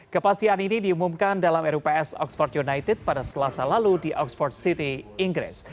kepastian ini diumumkan dalam rups oxford united pada selasa lalu di oxford city inggris